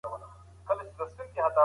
علم د عامه قوانينو سره اړيکه نلري؟